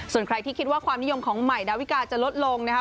ส่วนใครที่คิดว่าความนิยมของใหม่ดาวิกาจะลดลงนะคะ